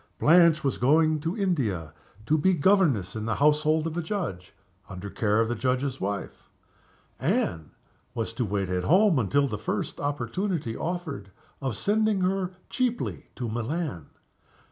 Blanche was going to India, to be governess in the household of a Judge, under care of the Judge's wife. Anne was to wait at home until the first opportunity offered of sending her cheaply to Milan.